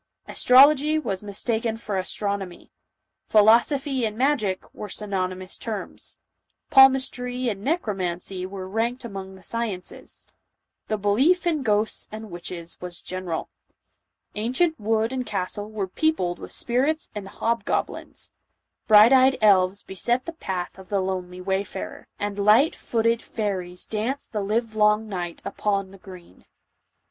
Astrology was mistaken for astronomy ; philosophy and magic were synony mous terms ; palmistry and necromancy were ranked among the sciences ; the .belief Ht gkosts aud witohea was general; ancient wood and castle were peopled wifli spirits and hobgoblins; bright eyed elves beset the path of the lonely wayfarer ; and light footed fai ries danced the livelong night upon the green.